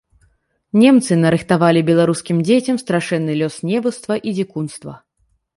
Немцы нарыхтавалі беларускім дзецям страшэнны лёс невуцтва і дзікунства.